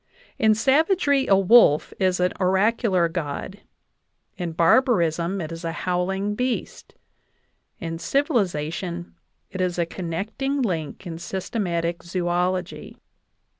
In savagery, a wolf is an oracular god; in barbarism, it is a howling beast ; in civilization, it is a connect ing link in systematic zoology.